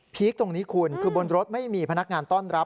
คตรงนี้คุณคือบนรถไม่มีพนักงานต้อนรับ